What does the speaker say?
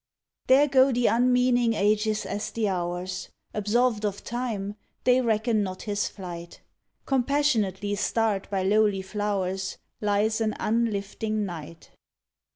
There go the unmeaning ages as the hours; Absolved of Time, they reckon not his flight, Compassionately starred by lowly flow rs, Lies an unlifting night.